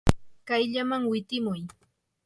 kayllaman witimuy.